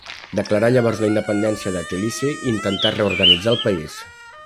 Declarà llavors la independència de Tbilisi i intentà reorganitzar el país.